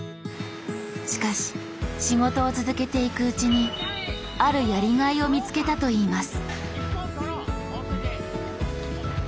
しかし仕事を続けていくうちにあるやりがいを見つけたといいます